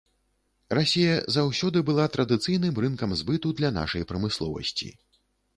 Расія заўсёды была традыцыйным рынкам збыту для нашай прамысловасці.